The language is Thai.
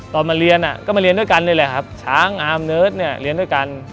ตอนมาเรียนก็มาเรียนด้วยกันเลยครับช้างอามเนิร์ดเรียนด้วยกัน